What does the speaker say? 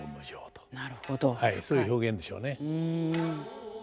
そういう表現でしょうね。